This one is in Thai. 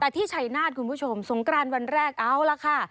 แต่ที่ชัยนาธคุณผู้ชมสงกรานวันแรกเอาล่ะค่ะ